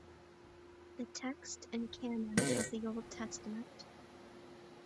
The Text and Canon of the Old Testament.